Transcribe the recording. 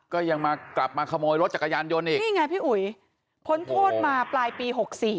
ก็ยังมากลับมาขโมยรถจักรยานยนต์อีกนี่ไงพี่อุ๋ยพ้นโทษมาปลายปี๖๔